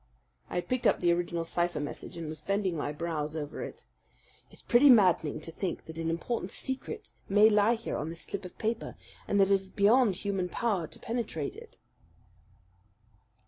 I had picked up the original cipher message and was bending my brows over it. "It's pretty maddening to think that an important secret may lie here on this slip of paper, and that it is beyond human power to penetrate it."